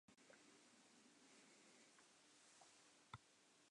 Yn de simmerfakânsje sil der op woansdeitejûn wer fuotballe wurde kinne.